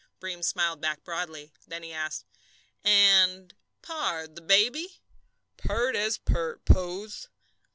Breem smiled back broadly. Then he asked, "And, pard, the baby?" "Peart as peart, Pose."